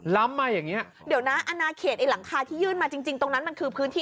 ล้ำมาอย่างเงี้เดี๋ยวนะอนาเขตไอ้หลังคาที่ยื่นมาจริงจริงตรงนั้นมันคือพื้นที่